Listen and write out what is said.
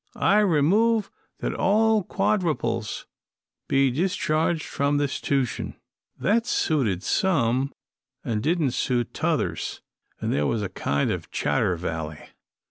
I remove that all quadruples be decharged from this 'stution.' "That suited some, an' didn't suit t'others, an' there was a kind of chally vally.